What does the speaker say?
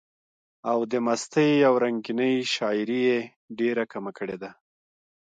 او د مستۍ او رنګينۍ شاعري ئې ډېره کمه کړي ده،